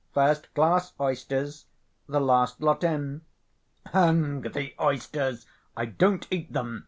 "First‐class oysters, the last lot in." "Hang the oysters. I don't eat them.